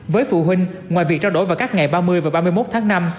với phụ huynh ngoài việc trao đổi vào các ngày ba mươi và ba mươi một tháng năm